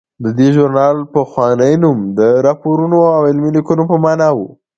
د دې ژورنال پخوانی نوم د راپورونو او علمي لیکنو په مانا و.